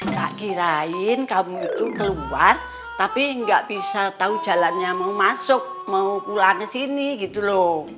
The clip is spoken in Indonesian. tak kirain kamu itu keluar tapi nggak bisa tahu jalannya mau masuk mau pulang ke sini gitu loh